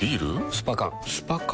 スパ缶スパ缶？